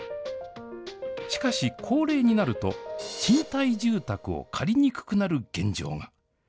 しかし、高齢になると賃貸住宅を借りにくくなる現状が。